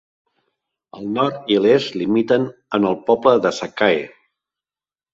El nord i l'est limiten amb el poble de Sakae.